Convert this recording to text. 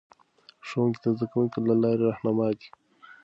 ښوونکي د زده کوونکو د لارې رهنما دي.